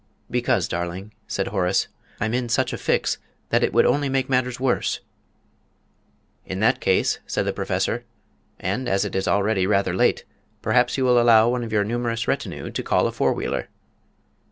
"Because, darling," said Horace, "I'm in such a fix that it would only make matters worse." "In that case," said the Professor, "and as it is already rather late, perhaps you will allow one of your numerous retinue to call a four wheeler?"